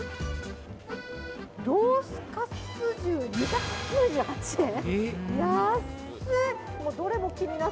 ロースかつ重２９８円。